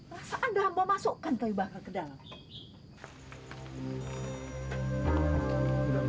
rasa anda ambo masuk kan teh bakal ke dalam